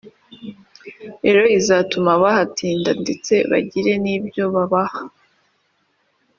rero izatuma bahatinda ndetse bagire n’ibyo bahaha”